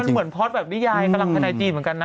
เหมือนพอร์ตแบบนิยายกำลังภายในจีนเหมือนกันนะ